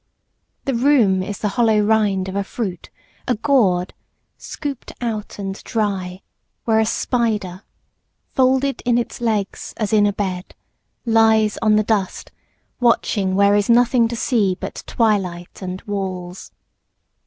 The room is the hollow rind of a fruit, a gourd Scooped out and dry, where a spider, Folded in its legs as in a bed, Lies on the dust, watching where is nothing to see but twilight and walls.